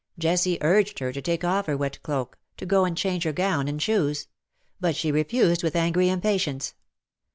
Jessie urged her to take off her wet cloak^ to go and change her gown and shoes ; but she refused with angry impatience.